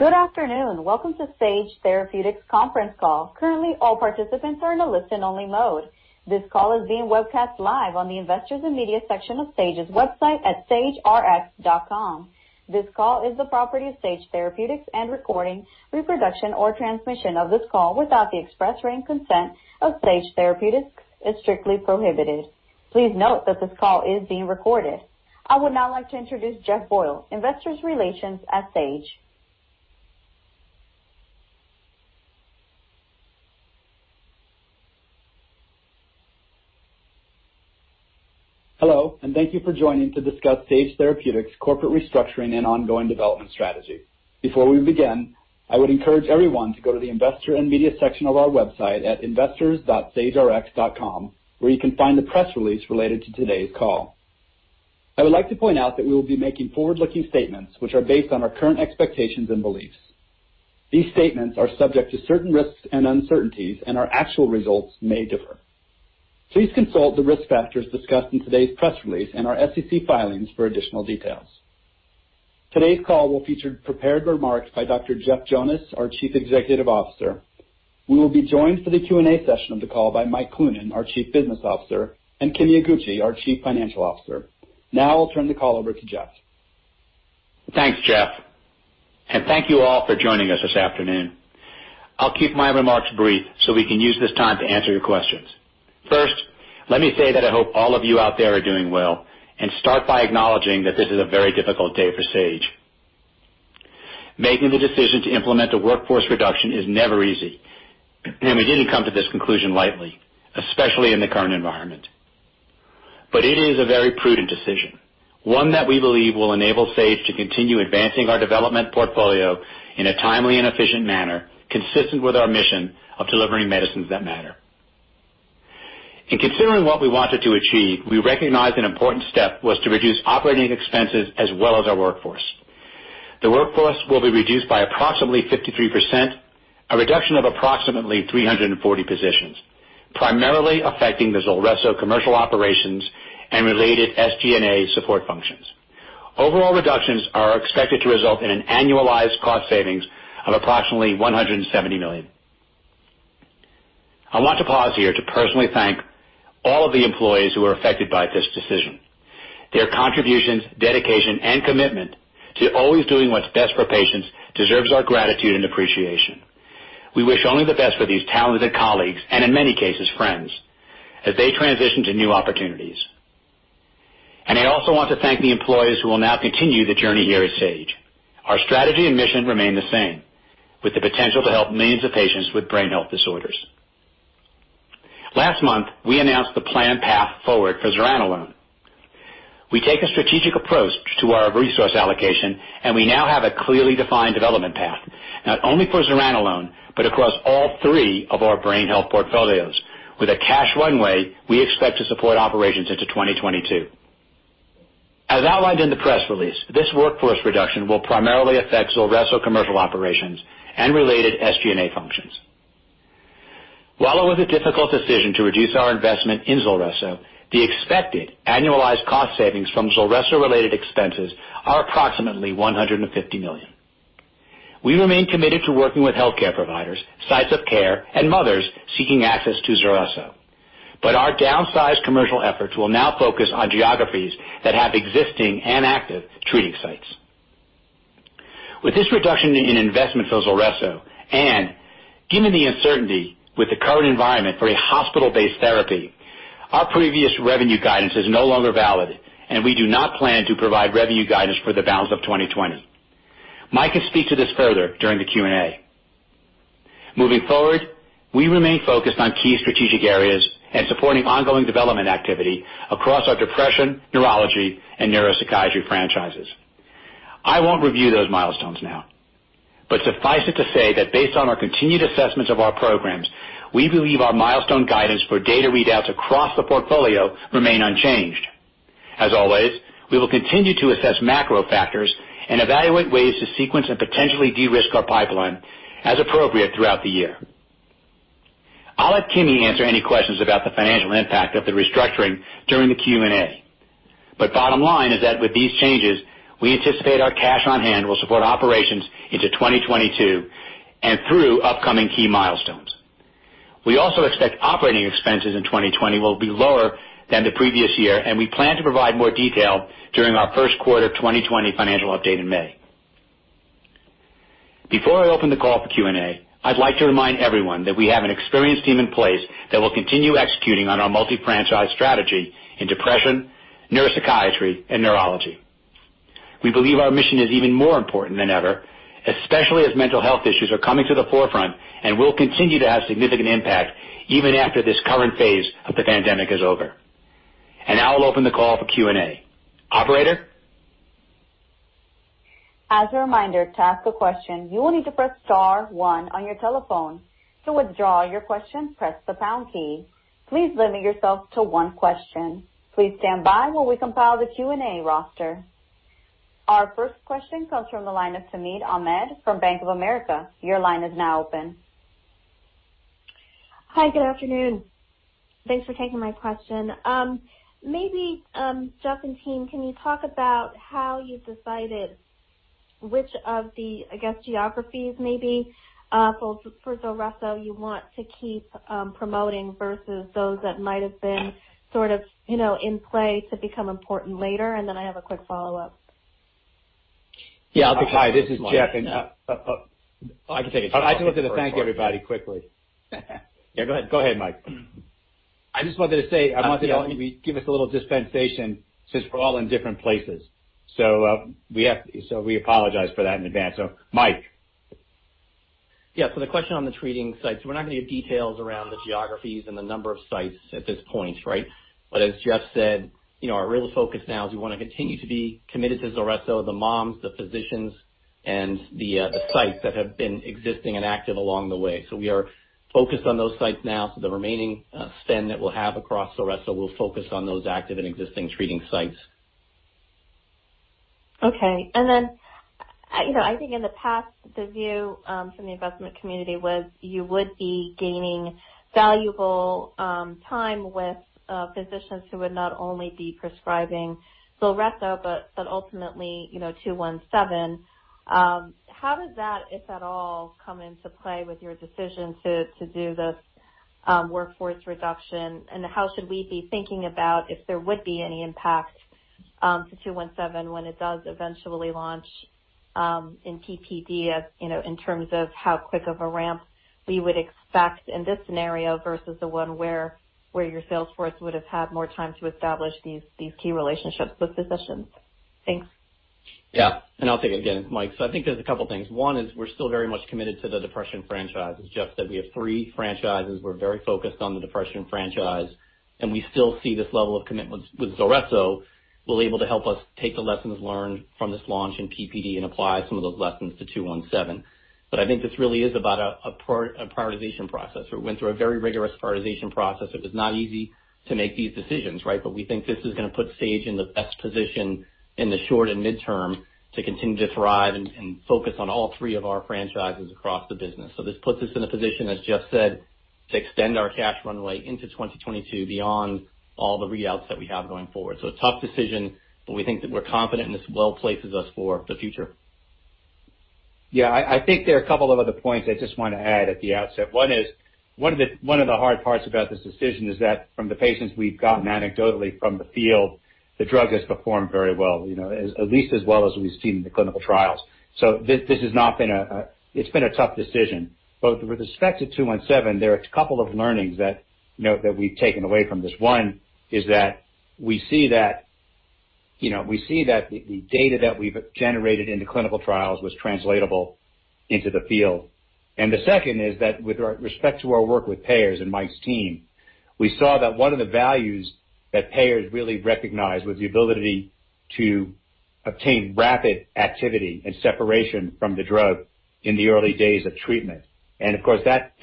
Good afternoon. Welcome to Sage Therapeutics conference call. Currently, all participants are in a listen-only mode. This call is being webcast live on the Investors and Media section of Sage's website at sagerx.com. This call is the property of Sage Therapeutics, and recording, reproduction, or transmission of this call without the express written consent of Sage Therapeutics is strictly prohibited. Please note that this call is being recorded. I would now like to introduce Jeff Boyle, Investors Relations at Sage. Hello, thank you for joining to discuss Sage Therapeutics' corporate restructuring and ongoing development strategy. Before we begin, I would encourage everyone to go to the Investor and Media section of our website at investors.sagerx.com, where you can find the press release related to today's call. I would like to point out that we will be making forward-looking statements, which are based on our current expectations and beliefs. These statements are subject to certain risks and uncertainties, and our actual results may differ. Please consult the risk factors discussed in today's press release and our SEC filings for additional details. Today's call will feature prepared remarks by Dr. Jeff Jonas, our Chief Executive Officer. We will be joined for the Q&A session of the call by Mike Cloonan, our Chief Business Officer, and Kimi Iguchi, our Chief Financial Officer. Now I'll turn the call over to Jeff. Thanks, Jeff, thank you all for joining us this afternoon. I'll keep my remarks brief so we can use this time to answer your questions. First, let me say that I hope all of you out there are doing well and start by acknowledging that this is a very difficult day for Sage. Making the decision to implement a workforce reduction is never easy, and we didn't come to this conclusion lightly, especially in the current environment. It is a very prudent decision, one that we believe will enable Sage to continue advancing our development portfolio in a timely and efficient manner, consistent with our mission of delivering medicines that matter. In considering what we wanted to achieve, we recognized an important step was to reduce operating expenses as well as our workforce. The workforce will be reduced by approximately 53%, a reduction of approximately 340 positions, primarily affecting the ZULRESSO commercial operations and related SG&A support functions. Overall reductions are expected to result in an annualized cost savings of approximately $170 million. I want to pause here to personally thank all of the employees who are affected by this decision. Their contributions, dedication, and commitment to always doing what's best for patients deserves our gratitude and appreciation. We wish only the best for these talented colleagues, and in many cases, friends, as they transition to new opportunities. I also want to thank the employees who will now continue the journey here at Sage. Our strategy and mission remain the same, with the potential to help millions of patients with brain health disorders. Last month, we announced the planned path forward for zuranolone. We take a strategic approach to our resource allocation, and we now have a clearly defined development path, not only for zuranolone but across all three of our brain health portfolios. With a cash runway, we expect to support operations into 2022. As outlined in the press release, this workforce reduction will primarily affect ZULRESSO commercial operations and related SG&A functions. While it was a difficult decision to reduce our investment in ZULRESSO, the expected annualized cost savings from ZULRESSO-related expenses are approximately $150 million. We remain committed to working with healthcare providers, sites of care, and mothers seeking access to ZULRESSO. Our downsized commercial efforts will now focus on geographies that have existing and active treating sites. With this reduction in investment for ZULRESSO, and given the uncertainty with the current environment for a hospital-based therapy, our previous revenue guidance is no longer valid, and we do not plan to provide revenue guidance for the balance of 2020. Mike can speak to this further during the Q&A. Moving forward, we remain focused on key strategic areas and supporting ongoing development activity across our depression, neurology, and neuropsychiatry franchises. I won't review those milestones now. Suffice it to say that based on our continued assessments of our programs, we believe our milestone guidance for data readouts across the portfolio remain unchanged. As always, we will continue to assess macro factors and evaluate ways to sequence and potentially de-risk our pipeline as appropriate throughout the year. I'll let Kimi answer any questions about the financial impact of the restructuring during the Q&A. Bottom line is that with these changes, we anticipate our cash on hand will support operations into 2022 and through upcoming key milestones. We also expect operating expenses in 2020 will be lower than the previous year, and we plan to provide more detail during our first quarter 2020 financial update in May. Before I open the call for Q&A, I'd like to remind everyone that we have an experienced team in place that will continue executing on our multi-franchise strategy in depression, neuropsychiatry, and neurology. We believe our mission is even more important than ever, especially as mental health issues are coming to the forefront and will continue to have significant impact even after this current phase of the pandemic is over. Now I'll open the call for Q&A. Operator? As a reminder, to ask a question, you will need to press star one on your telephone. To withdraw your question, press the pound key. Please limit yourself to one question. Please stand by while we compile the Q&A roster. Our first question comes from the line of Tazeen Ahmad from Bank of America. Your line is now open. Hi, good afternoon. Thanks for taking my question. Maybe, Jeff and team, can you talk about how you decided which of the geographies maybe for ZULRESSO you want to keep promoting versus those that might have been in play to become important later? Then I have a quick follow-up. Yeah. Hi, this is Jeff. I can take it. I just wanted to thank everybody quickly. Yeah, go ahead, Mike. I just wanted to say, I want to give us a little dispensation since we're all in different places. We apologize for that in advance. Mike. Yeah. The question on the treating sites, we're not going to give details around the geographies and the number of sites at this point, right? As Jeff said, our real focus now is we want to continue to be committed to ZULRESSO, the moms, the physicians, and the sites that have been existing and active along the way. We are focused on those sites now. The remaining spend that we'll have across ZULRESSO will focus on those active and existing treating sites. Okay. I think in the past, the view from the investment community was you would be gaining valuable time with physicians who would not only be prescribing ZULRESSO, but ultimately, 217. How does that, if at all, come into play with your decision to do this workforce reduction, and how should we be thinking about if there would be any impact to 217 when it does eventually launch in PPD in terms of how quick of a ramp we would expect in this scenario versus the one where your sales force would have had more time to establish these key relationships with physicians? Thanks. Yeah. I'll take it again, Mike. I think there's a couple things. One is we're still very much committed to the depression franchise. As Jeff said, we have three franchises. We're very focused on the depression franchise, and we still see this level of commitment with ZULRESSO will be able to help us take the lessons learned from this launch in PPD and apply some of those lessons to 217. I think this really is about a prioritization process. We went through a very rigorous prioritization process. It was not easy to make these decisions, right? We think this is going to put Sage in the best position in the short and midterm to continue to thrive and focus on all three of our franchises across the business. This puts us in a position, as Jeff said, to extend our cash runway into 2022 beyond all the readouts that we have going forward. A tough decision, but we think that we're confident, and this well places us for the future. I think there are a couple of other points I just want to add at the outset. One is, one of the hard parts about this decision is that from the patients we've gotten anecdotally from the field, the drug has performed very well. At least as well as we've seen in the clinical trials. This has been a tough decision. With respect to 217, there are a couple of learnings that we've taken away from this. One is that we see that the data that we've generated in the clinical trials was translatable into the field. The second is that with respect to our work with payers and Mike's team, we saw that one of the values that payers really recognized was the ability to obtain rapid activity and separation from the drug in the early days of treatment. Of course, that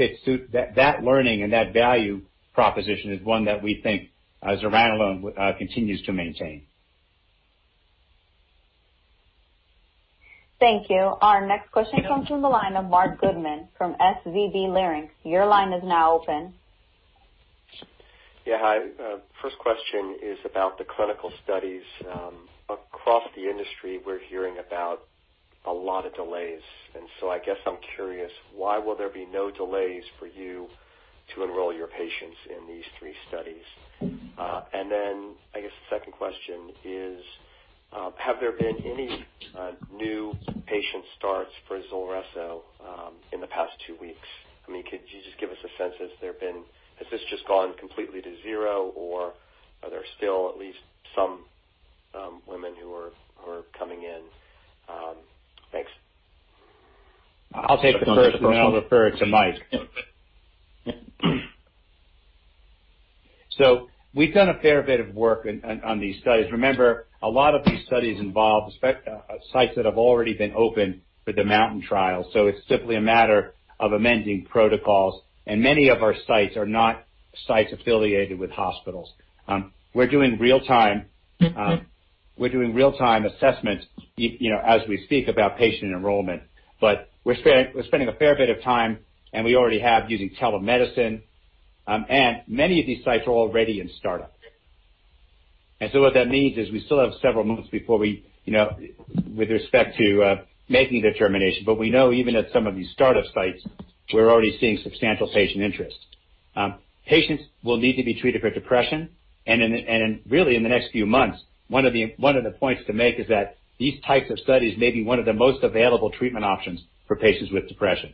learning and that value proposition is one that we think zuranolone continues to maintain. Thank you. Our next question comes from the line of Marc Goodman from SVB Leerink. Your line is now open. Yeah. Hi. First question is about the clinical studies. Across the industry, we're hearing about a lot of delays. I guess I'm curious, why will there be no delays for you to enroll your patients in these three studies? I guess the second question is, have there been any new patient starts for ZULRESSO in the past two weeks? Could you just give us a sense, has this just gone completely to zero, or are there still at least some women who are coming in? Thanks. I'll take the first, and I'll defer it to Mike. We've done a fair bit of work on these studies. Remember, a lot of these studies involve sites that have already been opened for the MOUNTAIN trial, so it's simply a matter of amending protocols, and many of our sites are not sites affiliated with hospitals. We're doing real-time assessments as we speak about patient enrollment, but we're spending a fair bit of time, and we already have using telemedicine. Many of these sites are already in startup. What that means is we still have several months before we, with respect to making a determination, but we know even at some of these startup sites, we're already seeing substantial patient interest. Patients will need to be treated for depression, and really in the next few months, one of the points to make is that these types of studies may be one of the most available treatment options for patients with depression.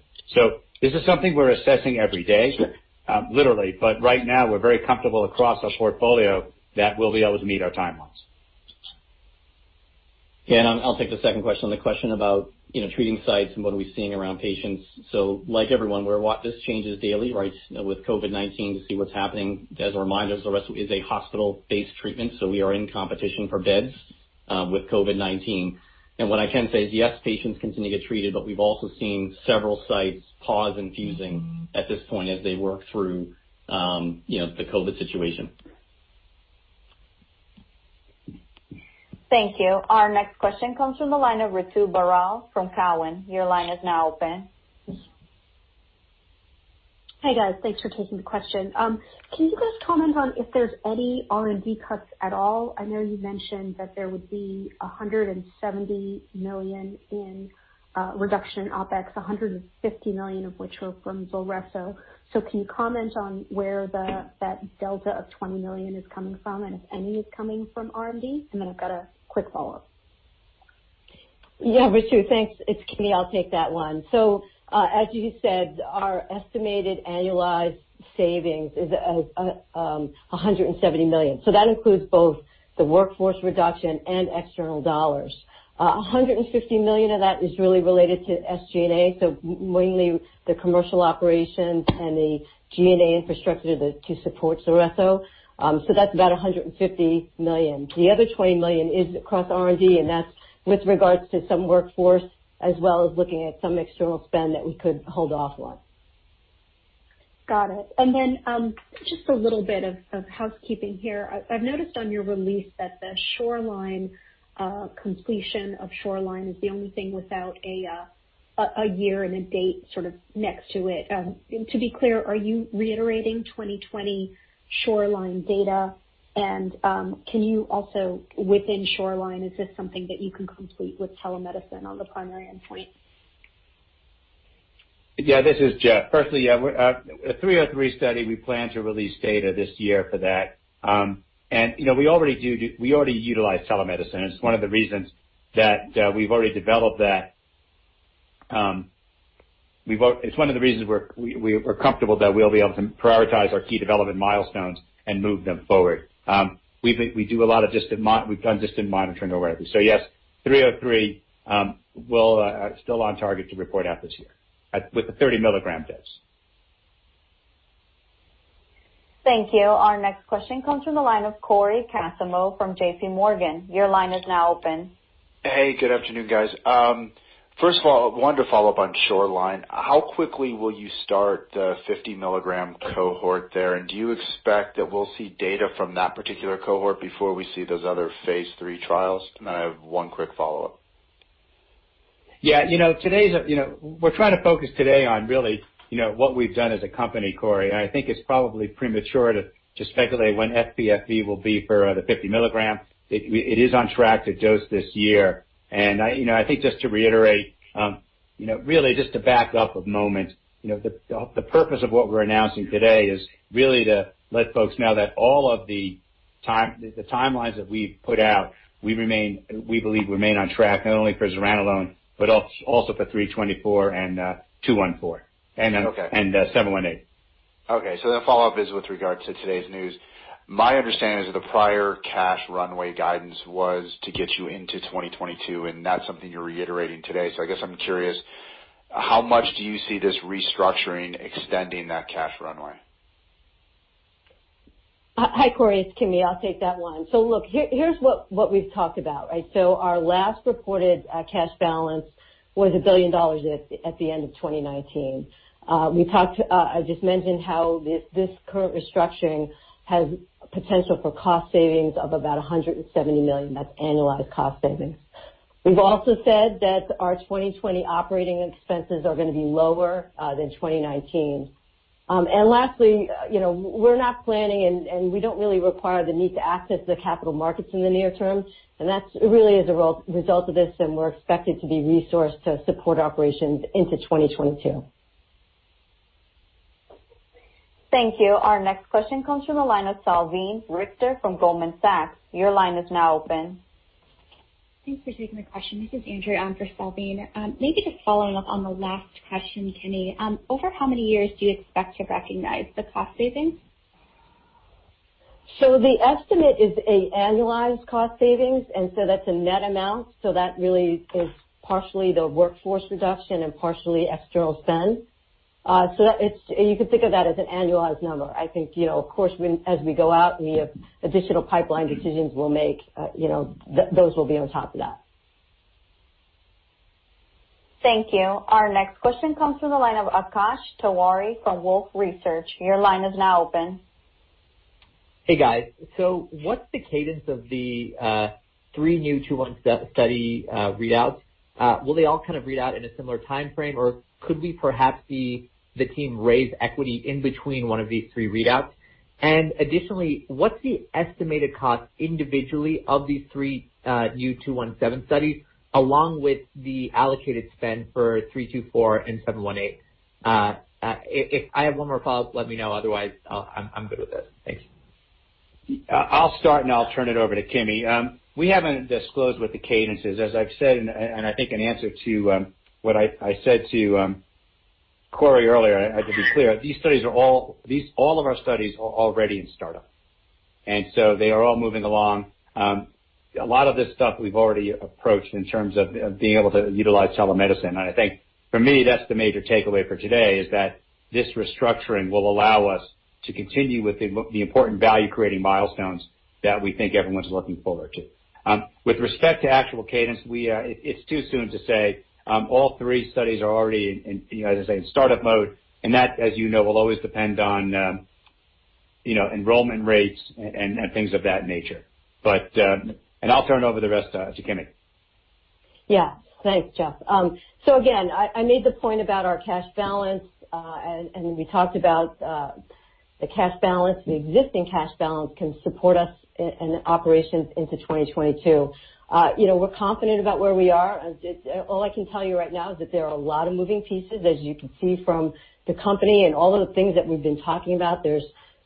This is something we're assessing every day, literally. Right now, we're very comfortable across our portfolio that we'll be able to meet our timelines. I'll take the second question on the question about treating sites and what are we seeing around patients. Like everyone, this changes daily, right, with COVID-19 to see what's happening. As a reminder, ZULRESSO is a hospital-based treatment, so we are in competition for beds with COVID-19. What I can say is, yes, patients continue to get treated, but we've also seen several sites pause infusing at this point as they work through the COVID situation. Thank you. Our next question comes from the line of Ritu Baral from Cowen. Your line is now open. Hi, guys. Thanks for taking the question. Can you guys comment on if there's any R&D cuts at all? I know you mentioned that there would be $170 million in reduction in OpEx, $150 million of which were from ZULRESSO. Can you comment on where that delta of $20 million is coming from, and if any is coming from R&D? I've got a quick follow-up. Yeah, Ritu, thanks. It's Kimi. I'll take that one. As you said, our estimated annualized savings is $170 million. That includes both the workforce reduction and external dollars. $150 million of that is really related to SG&A, so mainly the commercial operations and the G&A infrastructure to support ZULRESSO. That's about $150 million. The other $20 million is across R&D, and that's with regards to some workforce as well as looking at some external spend that we could hold off on. Got it. Just a little bit of housekeeping here. I've noticed on your release that the completion of SHORELINE is the only thing without a year and a date sort of next to it. To be clear, are you reiterating 2020 SHORELINE data? Can you also, within SHORELINE, is this something that you can complete with telemedicine on the primary endpoint? This is Jeff. Firstly, 303 study, we plan to release data this year for that. We already utilize telemedicine. It's one of the reasons we're comfortable that we'll be able to prioritize our key development milestones and move them forward. We've done distant monitoring already. Yes, 303, we're still on target to report out this year with the 30 mg dose. Thank you. Our next question comes from the line of Cory Kasimov from JPMorgan. Your line is now open. Hey, good afternoon, guys. First of all, wanted to follow up on SHORELINE. How quickly will you start the 50 mg cohort there? Do you expect that we'll see data from that particular cohort before we see those other phase III trials? I have one quick follow-up. Yeah. We're trying to focus today on really what we've done as a company, Cory, I think it's probably premature to speculate when FPFV will be for the 50 mg. It is on track to dose this year. I think just to reiterate, really just to back up a moment, the purpose of what we're announcing today is really to let folks know that all of the timelines that we've put out, we believe remain on track, not only for zuranolone, but also for 324 and 214 and 718. Okay. Follow-up is with regard to today's news. My understanding is that the prior cash runway guidance was to get you into 2022, and that's something you're reiterating today. I guess I'm curious, how much do you see this restructuring extending that cash runway? Hi, Cory. It's Kimi. I'll take that one. Look, here's what we've talked about, right? Our last reported cash balance was $1 billion at the end of 2019. I just mentioned how this current restructuring has potential for cost savings of about $170 million. That's annualized cost savings. We've also said that our 2020 operating expenses are going to be lower than 2019. Lastly, we're not planning and we don't really require the need to access the capital markets in the near term, and that really is a result of this, and we're expected to be resourced to support operations into 2022. Thank you. Our next question comes from the line of Salveen Richter from Goldman Sachs. Your line is now open. Thanks for taking the question. This is Andrea on for Salveen. Maybe just following up on the last question, Kimi. Over how many years do you expect to recognize the cost savings? The estimate is an annualized cost savings, and so that's a net amount. That really is partially the workforce reduction and partially external spend. You can think of that as an annualized number. I think, of course, as we go out, any additional pipeline decisions we'll make, those will be on top of that. Thank you. Our next question comes from the line of Akash Tewari from Wolfe Research. Your line is now open. Hey, guys. What's the cadence of the three new 217 study readouts? Will they all kind of read out in a similar timeframe, or could we perhaps see the team raise equity in between one of these three readouts? Additionally, what's the estimated cost individually of these three new 217 studies, along with the allocated spend for 324 and 718? If I have one more follow-up, let me know. Otherwise, I'm good with this. Thanks. I'll start, and I'll turn it over to Kimi. We haven't disclosed what the cadence is. As I've said, and I think in answer to what I said to Cory earlier, to be clear, all of our studies are already in startup. They are all moving along. A lot of this stuff we've already approached in terms of being able to utilize telemedicine, and I think for me, that's the major takeaway for today is that this restructuring will allow us to continue with the important value-creating milestones that we think everyone's looking forward to. With respect to actual cadence, it's too soon to say. All three studies are already in startup mode, and that, as you know, will always depend on you know, enrollment rates and things of that nature. I'll turn over the rest to Kimi. Yeah. Thanks, Jeff. Again, I made the point about our cash balance, and we talked about the cash balance, the existing cash balance can support us in operations into 2022. We're confident about where we are. All I can tell you right now is that there are a lot of moving pieces, as you can see from the company and all of the things that we've been talking about. There's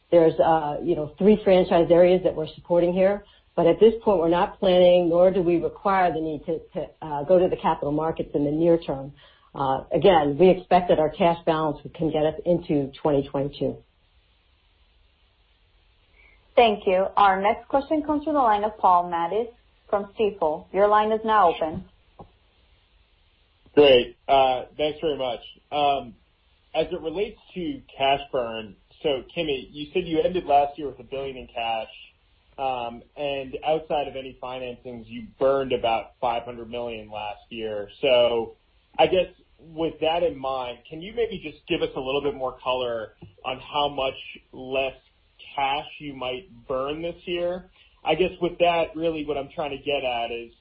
three franchise areas that we're supporting here. At this point, we're not planning, nor do we require the need to go to the capital markets in the near term. Again, we expect that our cash balance can get us into 2022. Thank you. Our next question comes from the line of Paul Matteis from Stifel. Your line is now open. Great. Thanks very much. As it relates to cash burn, Kimi, you said you ended last year with $1 billion in cash. Outside of any financings, you burned about $500 million last year. I guess with that in mind, can you maybe just give us a little bit more color on how much less cash you might burn this year? I guess with that, really what I'm trying to get at is,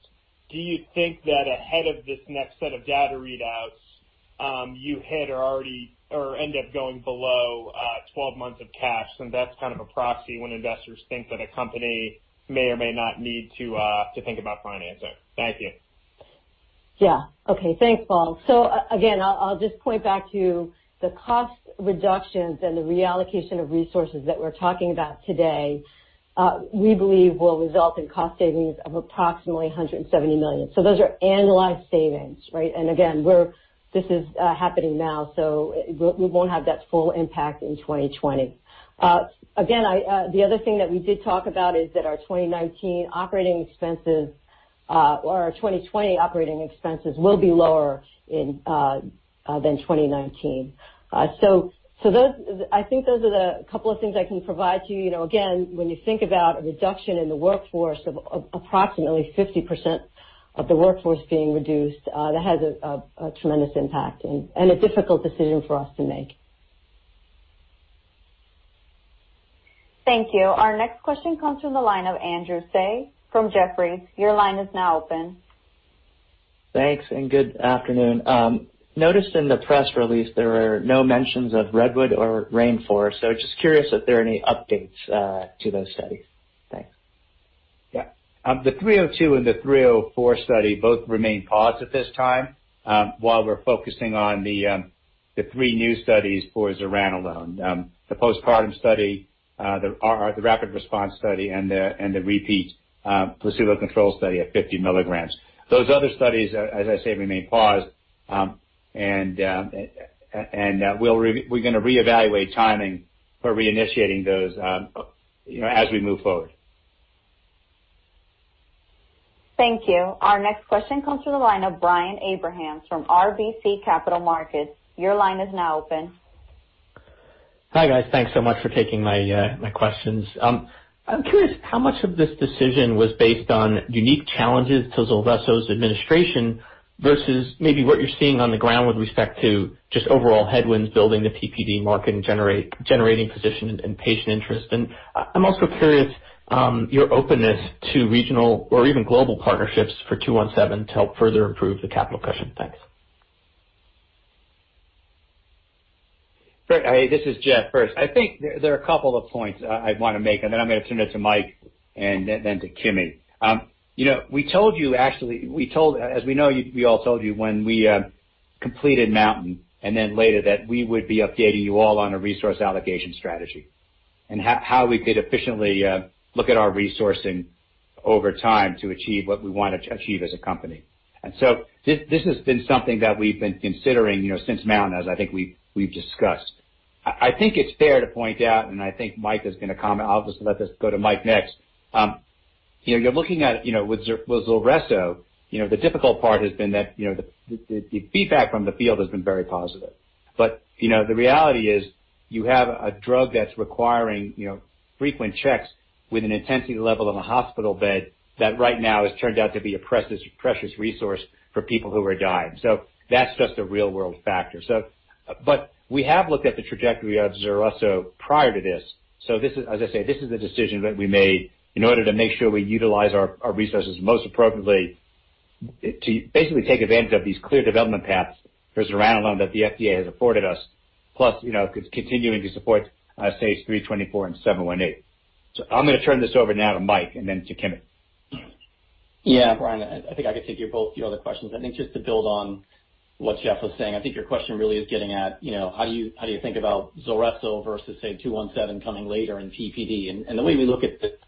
do you think that ahead of this next set of data readouts, you had or already or end up going below 12 months of cash? That's kind of a proxy when investors think that a company may or may not need to think about financing. Thank you. Yeah. Okay. Thanks, Paul. I'll just point back to the cost reductions and the reallocation of resources that we're talking about today, we believe will result in cost savings of approximately $170 million. Those are annualized savings, right? This is happening now, so we won't have that full impact in 2020. The other thing that we did talk about is that our 2019 operating expenses or our 2020 operating expenses will be lower than 2019. I think those are the couple of things I can provide to you. When you think about a reduction in the workforce of approximately 50% of the workforce being reduced, that has a tremendous impact and a difficult decision for us to make. Thank you. Our next question comes from the line of Andrew Tsai from Jefferies. Your line is now open. Thanks and good afternoon. Noticed in the press release there were no mentions of REDWOOD or RAINFOREST, so just curious if there are any updates to those studies. Thanks. Yeah. The 302 and the 304 study both remain paused at this time, while we're focusing on the three new studies for zuranolone. The postpartum study, the rapid response study and the repeat placebo control study at 50 mg. Those other studies, as I say, remain paused. We're going to reevaluate timing for reinitiating those as we move forward. Thank you. Our next question comes from the line of Brian Abrahams from RBC Capital Markets. Your line is now open. Hi, guys. Thanks so much for taking my questions. I'm curious how much of this decision was based on unique challenges to ZULRESSO's administration versus maybe what you're seeing on the ground with respect to just overall headwinds, building the PPD market and generating physician and patient interest. I'm also curious, your openness to regional or even global partnerships for 217 to help further improve the capital cushion. Thanks. Great. This is Jeff first. I think there are a couple of points I want to make, and then I'm going to turn it to Mike and then to Kimi. We told you actually, as we know, we all told you when we completed MOUNTAIN and then later that we would be updating you all on a resource allocation strategy and how we could efficiently look at our resourcing over time to achieve what we want to achieve as a company. This has been something that we've been considering since MOUNTAIN, as I think we've discussed. I think it's fair to point out, and I think Mike is going to comment, I'll just let this go to Mike next. You're looking at with ZULRESSO, the difficult part has been that the feedback from the field has been very positive. The reality is you have a drug that's requiring frequent checks with an intensity level in a hospital bed that right now has turned out to be a precious resource for people who are dying. That's just a real-world factor. We have looked at the trajectory of ZULRESSO prior to this. This is, as I say, this is a decision that we made in order to make sure we utilize our resources most appropriately to basically take advantage of these clear development paths for zuranolone that the FDA has afforded us. Plus, continuing to support SAGE-324 and 718. I'm going to turn this over now to Mike and then to Kimi. Yeah, Brian, I think I could take both your other questions. I think just to build on what Jeff was saying, I think your question really is getting at how do you think about ZULRESSO versus, say, 217 coming later in PPD. The way we look at this is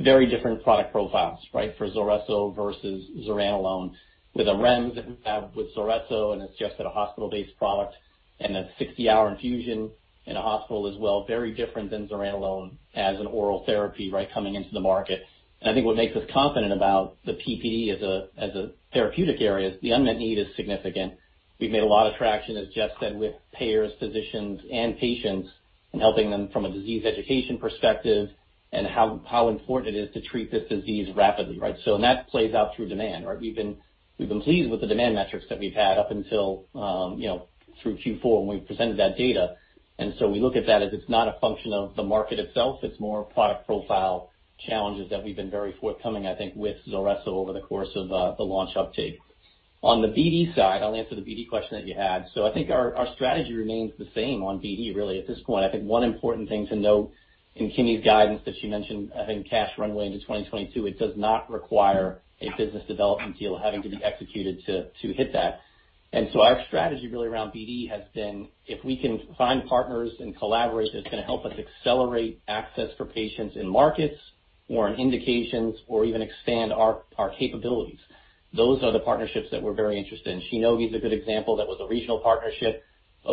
very different product profiles, right? For ZULRESSO versus zuranolone with a REMS that we have with ZULRESSO, it's just that a hospital-based product and a 60-hour infusion in a hospital as well, very different than zuranolone as an oral therapy right coming into the market. I think what makes us confident about the PPD as a therapeutic area is the unmet need is significant. We've made a lot of traction, as Jeff said, with payers, physicians, and patients in helping them from a disease education perspective. How important it is to treat this disease rapidly, right? That plays out through demand, right? We've been pleased with the demand metrics that we've had up until through Q4 when we presented that data. We look at that as it's not a function of the market itself, it's more product profile challenges that we've been very forthcoming, I think, with ZULRESSO over the course of the launch uptake. On the BD side, I'll answer the BD question that you had. I think our strategy remains the same on BD, really, at this point. I think one important thing to note in Kimi's guidance that she mentioned, I think, cash runway into 2022, it does not require a business development deal having to be executed to hit that. Our strategy really around BD has been, if we can find partners and collaborate, that's going to help us accelerate access for patients in markets or in indications, or even expand our capabilities. Those are the partnerships that we're very interested in. Shionogi is a good example that was a regional partnership.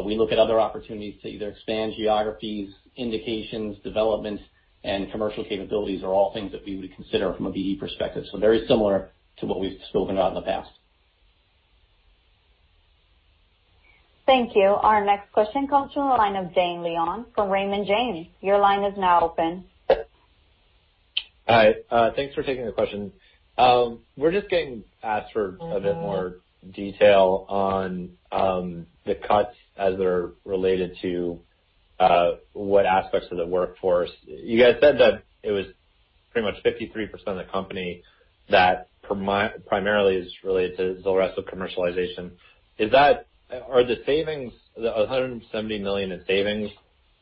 We look at other opportunities to either expand geographies, indications, developments, and commercial capabilities are all things that we would consider from a BD perspective. Very similar to what we've spoken about in the past. Thank you. Our next question comes from the line of Dane Leone from Raymond James. Your line is now open. Hi. Thanks for taking the question. We're just getting asked for a bit more detail on the cuts as they're related to what aspects of the workforce. You guys said that it was pretty much 53% of the company that primarily is related to ZULRESSO commercialization. Are the $170 million in savings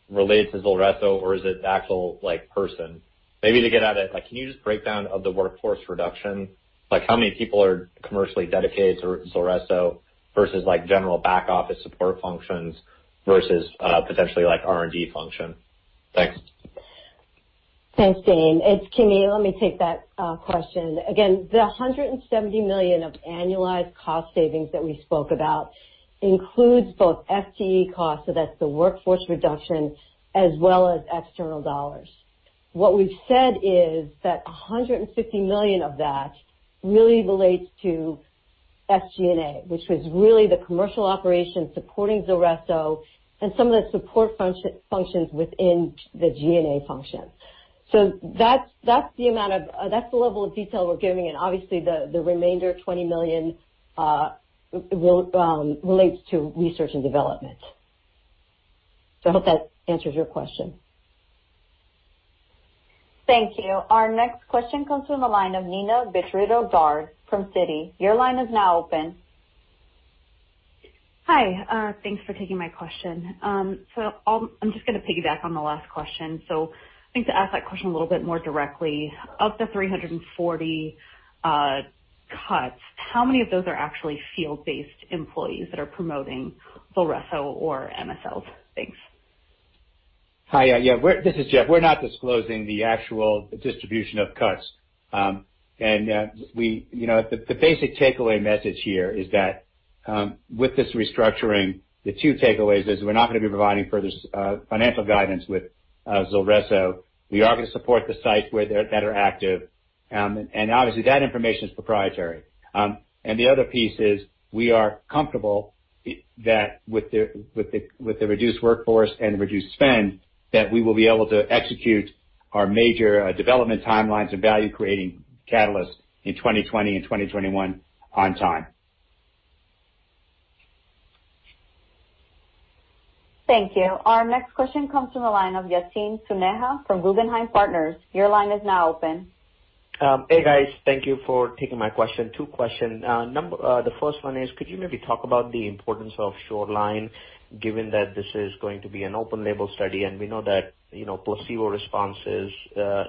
related to ZULRESSO, or is it actual person? Maybe to get at it, can you just break down of the workforce reduction, how many people are commercially dedicated to ZULRESSO versus general back office support functions versus potentially R&D function? Thanks. Thanks, Dane. It's Kimi. Let me take that question. The $170 million of annualized cost savings that we spoke about includes both FTE costs, so that's the workforce reduction, as well as external dollars. What we've said is that $150 million of that really relates to SG&A, which was really the commercial operation supporting ZULRESSO and some of the support functions within the G&A function. That's the level of detail we're giving, and obviously the remainder, $20 million, relates to research and development. I hope that answers your question. Thank you. Our next question comes from the line of Neena Bitritto-Garg from Citi. Your line is now open. Hi. Thanks for taking my question. I'm just going to piggyback on the last question. I'd like to ask that question a little bit more directly. Of the 340 cuts, how many of those are actually field-based employees that are promoting ZULRESSO or MSLs? Thanks. Hi. Yeah. This is Jeff. We're not disclosing the actual distribution of cuts. The basic takeaway message here is that with this restructuring, the two takeaways is we're not going to be providing further financial guidance with ZULRESSO. We are going to support the sites that are active. Obviously, that information is proprietary. The other piece is we are comfortable that with the reduced workforce and reduced spend, that we will be able to execute our major development timelines and value-creating catalysts in 2020 and 2021 on time. Thank you. Our next question comes from the line of Yatin Suneja from Guggenheim Partners. Your line is now open. Hey, guys. Thank you for taking my question. Two question. The first one is, could you maybe talk about the importance of SHORELINE, given that this is going to be an open label study and we know that placebo responses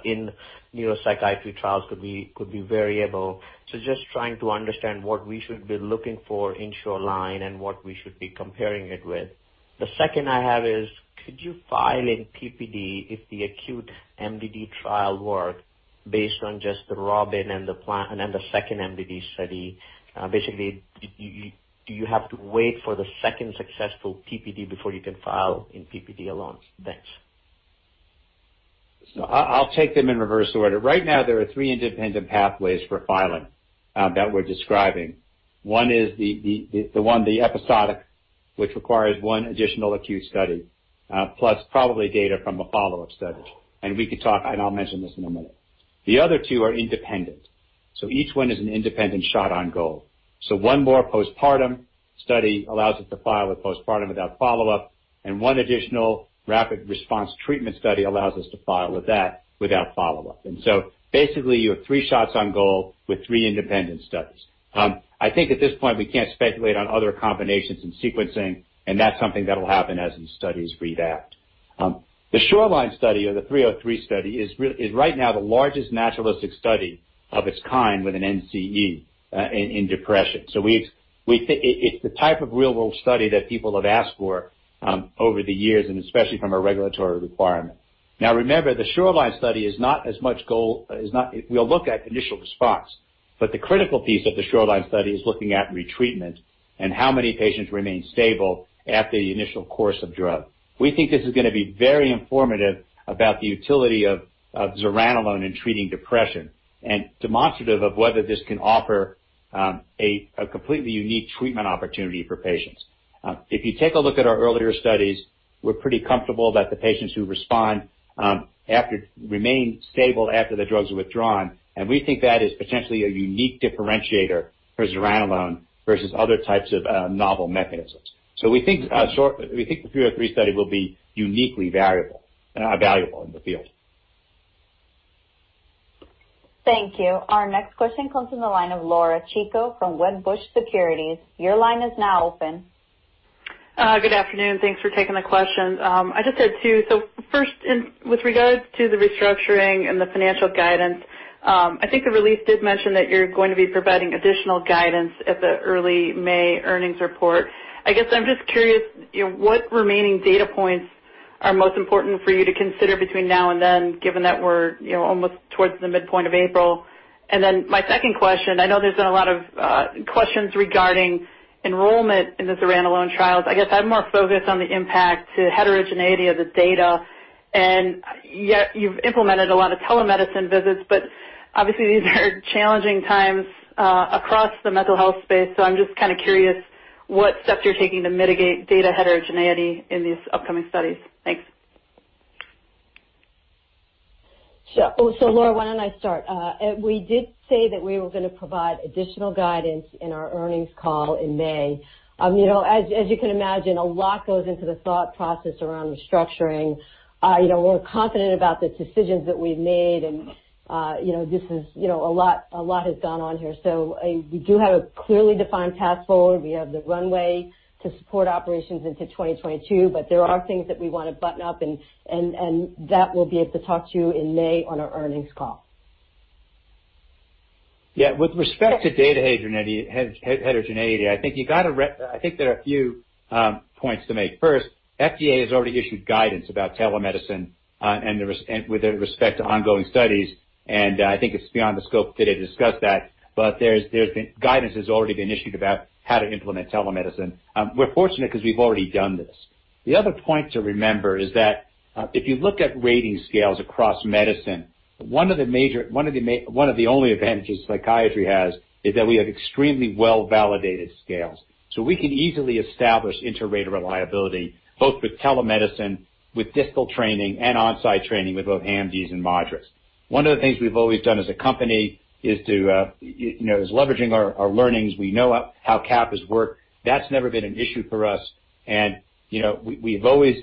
in neuropsychiatry trials could be variable. Just trying to understand what we should be looking for in SHORELINE and what we should be comparing it with. The second I have is, could you file in PPD if the acute MDD trial work based on just the ROBIN and the second MDD study? Basically, do you have to wait for the second successful PPD before you can file in PPD alone? Thanks. I'll take them in reverse order. Right now, there are three independent pathways for filing that we're describing. One is the episodic, which requires one additional acute study, plus probably data from a follow-up study. We could talk, I'll mention this in a minute. The other two are independent. Each one is an independent shot on goal. One more postpartum study allows us to file a postpartum without follow-up, and one additional rapid response treatment study allows us to file with that without follow-up. Basically, you have three shots on goal with three independent studies. I think at this point, we can't speculate on other combinations and sequencing, and that's something that'll happen as these studies readapt. The SHORELINE study or the 303 study is right now the largest naturalistic study of its kind with an NCE in depression. It's the type of real-world study that people have asked for over the years and especially from a regulatory requirement. Now, remember, the SHORELINE study is not as much goal. We'll look at initial response, but the critical piece of the SHORELINE study is looking at retreatment and how many patients remain stable after the initial course of drug. We think this is going to be very informative about the utility of zuranolone in treating depression and demonstrative of whether this can offer a completely unique treatment opportunity for patients. If you take a look at our earlier studies, we're pretty comfortable that the patients who respond remain stable after the drugs are withdrawn, and we think that is potentially a unique differentiator for zuranolone versus other types of novel mechanisms. We think the 303 study will be uniquely valuable in the field. Thank you. Our next question comes from the line of Laura Chico from Wedbush Securities. Your line is now open. Good afternoon. Thanks for taking the question. I just had two. First, with regards to the restructuring and the financial guidance, I think the release did mention that you're going to be providing additional guidance at the early May earnings report. I'm just curious, what remaining data points are most important for you to consider between now and then, given that we're almost towards the midpoint of April? My second question, I know there's been a lot of questions regarding enrollment in the zuranolone trials. I'm more focused on the impact to heterogeneity of the data. Yet you've implemented a lot of telemedicine visits, but obviously these are challenging times across the mental health space. I'm just kind of curious what steps you're taking to mitigate data heterogeneity in these upcoming studies. Thanks. Laura, why don't I start? We did say that we were going to provide additional guidance in our earnings call in May. As you can imagine, a lot goes into the thought process around restructuring. We're confident about the decisions that we've made, and a lot has gone on here. We do have a clearly defined path forward. We have the runway to support operations into 2022, but there are things that we want to button up, and that we'll be able to talk to you in May on our earnings call. Yeah. With respect to data heterogeneity, I think there are a few points to make. FDA has already issued guidance about telemedicine with respect to ongoing studies, and I think it's beyond the scope today to discuss that, but guidance has already been issued about how to implement telemedicine. We're fortunate because we've already done this. The other point to remember is that if you look at rating scales across medicine, one of the only advantages psychiatry has is that we have extremely well-validated scales. We can easily establish inter-rater reliability, both with telemedicine, with distal training, and on-site training with both HAM-Ds and MADRS. One of the things we've always done as a company is leveraging our learnings. We know how CAPAs work. That's never been an issue for us, and we've always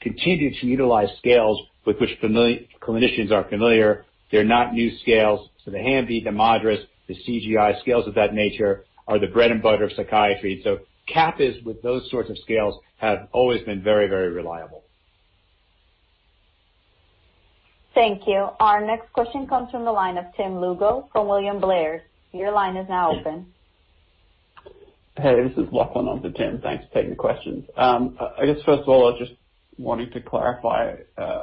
continued to utilize scales with which clinicians are familiar. They're not new scales. The HAM-D, the MADRS, the CGI, scales of that nature are the bread and butter of psychiatry. CAPAs with those sorts of scales have always been very, very reliable. Thank you. Our next question comes from the line of Tim Lugo from William Blair. Your line is now open. Hey, this is Lachlan on for Tim. Thanks for taking the questions. I guess first of all, I just wanted to clarify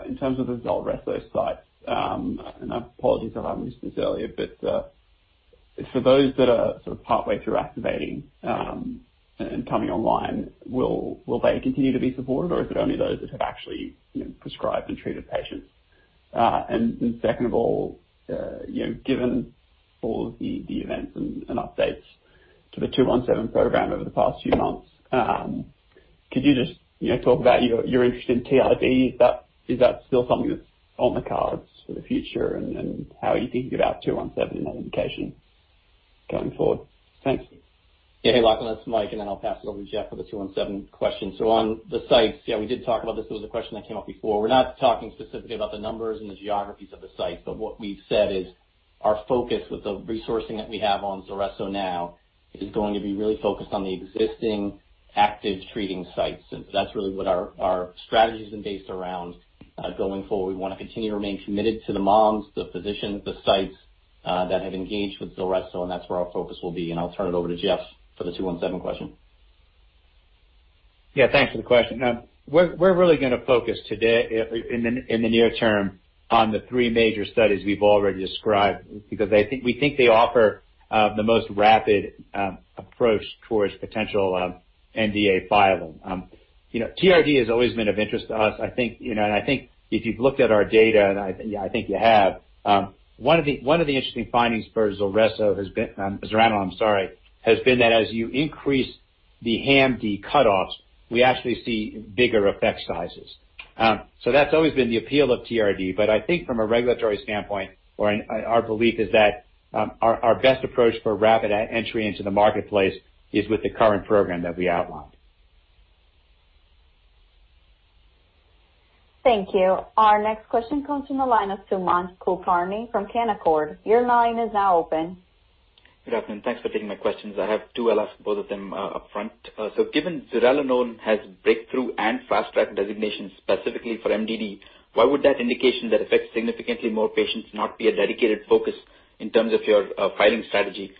in terms of the ZULRESSO sites, and apologies if I missed this earlier, but for those that are sort of halfway through activating and coming online, will they continue to be supported, or is it only those that have actually prescribed and treated patients? Second of all, given all of the events and updates to the 217 program over the past few months, could you just talk about your interest in TRD? Is that still something that's on the cards for the future, and how are you thinking about 217 in that indication going forward? Thanks. Hey, Lachlan, it's Mike. I'll pass it over to Jeff for the 217 question. On the sites, yeah, we did talk about this. It was a question that came up before. We're not talking specifically about the numbers and the geographies of the sites. What we've said is our focus with the resourcing that we have on ZULRESSO now is going to be really focused on the existing active treating sites. That's really what our strategy's been based around going forward. We want to continue to remain committed to the moms, the physicians, the sites that have engaged with ZULRESSO. That's where our focus will be. I'll turn it over to Jeff for the 217 question. Yeah. Thanks for the question. We're really going to focus today in the near term on the three major studies we've already described because we think they offer the most rapid approach towards potential NDA filing. TRD has always been of interest to us. I think if you've looked at our data, and I think you have, one of the interesting findings for zuranolone has been that as you increase the HAM-D cutoffs, we actually see bigger effect sizes. That's always been the appeal of TRD. I think from a regulatory standpoint, our belief is that our best approach for rapid entry into the marketplace is with the current program that we outlined. Thank you. Our next question comes from the line of Sumant Kulkarni from Canaccord. Your line is now open. Good afternoon. Thanks for taking my questions. I have two. I'll ask both of them upfront. Given zuranolone has breakthrough and fast track designations specifically for MDD, why would that indication that affects significantly more patients not be a dedicated focus in terms of your filing strategy?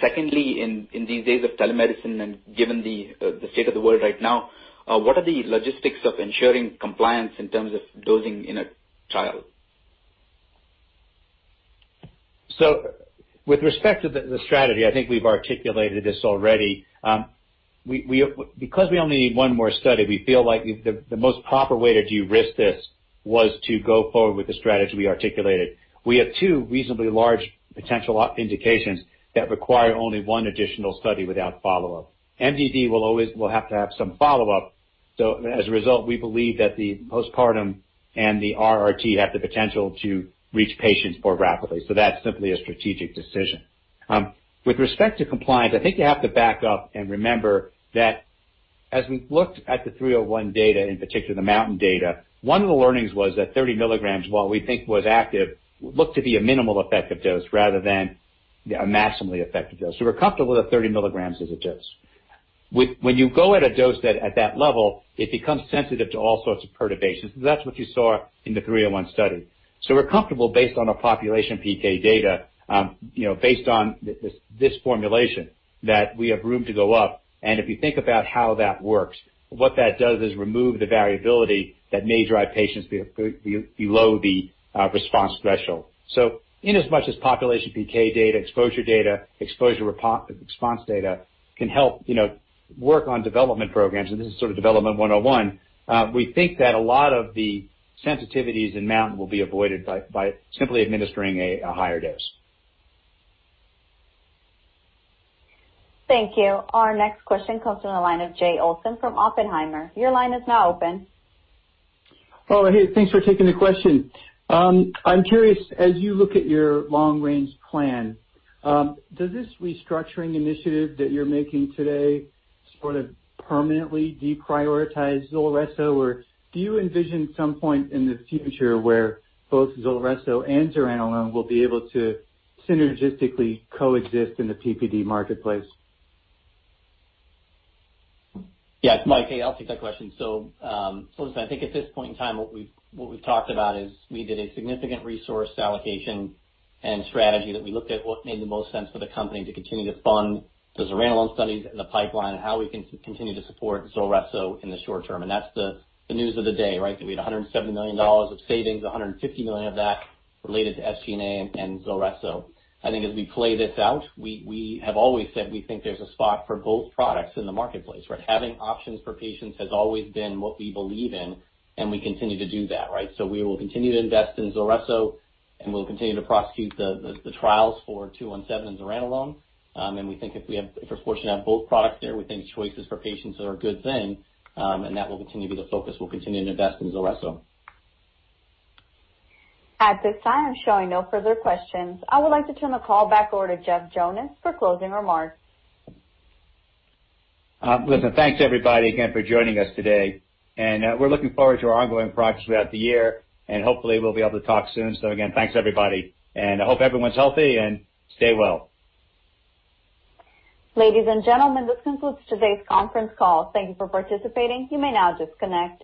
Secondly, in these days of telemedicine and given the state of the world right now, what are the logistics of ensuring compliance in terms of dosing in a child? With respect to the strategy, I think we've articulated this already. We only need one more study, we feel like the most proper way to de-risk this Was to go forward with the strategy we articulated. We have two reasonably large potential indications that require only one additional study without follow-up. MDD will have to have some follow-up. As a result, we believe that the postpartum and the RRT have the potential to reach patients more rapidly. That's simply a strategic decision. With respect to compliance, I think you have to back up and remember that as we looked at the 301 data, in particular the MOUNTAIN data, one of the learnings was that 30 mg, while we think was active, looked to be a minimal effective dose rather than a maximally effective dose. We're comfortable that 30 mg is a dose. When you go at a dose at that level, it becomes sensitive to all sorts of perturbations. That's what you saw in the 301 study. We're comfortable based on our population PK data, based on this formulation, that we have room to go up. If you think about how that works, what that does is remove the variability that may drive patients below the response threshold. Inasmuch as population PK data, exposure data, exposure response data can help work on development programs, and this is sort of development 101, we think that a lot of the sensitivities in MOUNTAIN will be avoided by simply administering a higher dose. Thank you. Our next question comes from the line of Jay Olson from Oppenheimer. Your line is now open. Oh, hey. Thanks for taking the question. I'm curious, as you look at your long-range plan, does this restructuring initiative that you're making today sort of permanently deprioritize ZULRESSO? Do you envision some point in the future where both ZULRESSO and zuranolone will be able to synergistically coexist in the PPD marketplace? Yeah. It's Mike. Hey, I'll take that question. Listen, I think at this point in time, what we've talked about is we did a significant resource allocation and strategy that we looked at what made the most sense for the company to continue to fund the zuranolone studies in the pipeline and how we can continue to support ZULRESSO in the short term. That's the news of the day, right? That we had $170 million of savings, $150 million of that related to SG&A and ZULRESSO. I think as we play this out, we have always said we think there's a spot for both products in the marketplace, right? Having options for patients has always been what we believe in, and we continue to do that, right? We will continue to invest in ZULRESSO, and we'll continue to prosecute the trials for 217 and zuranolone. We think if we're fortunate to have both products there, we think choices for patients are a good thing. That will continue to be the focus. We'll continue to invest in ZULRESSO. At this time, I'm showing no further questions. I would like to turn the call back over to Jeff Jonas for closing remarks. Listen, thanks everybody again for joining us today, and we're looking forward to our ongoing progress throughout the year, and hopefully, we'll be able to talk soon. Again, thanks everybody, and I hope everyone's healthy and stay well. Ladies and gentlemen, this concludes today's conference call. Thank you for participating. You may now disconnect.